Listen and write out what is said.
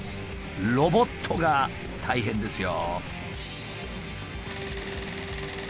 ロボットが大変ですよ。